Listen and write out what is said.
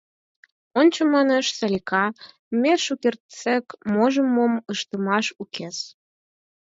Ончо, манеш, Салика, ме шукертсек можым-мом ыштымаш укес.